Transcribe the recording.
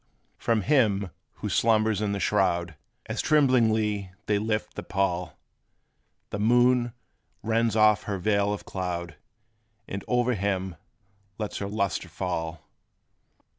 From him who slumbers in the shroud, As tremblingly they lift the pall, The moon rends off her veil of cloud, And o'er him lets her lustre fall.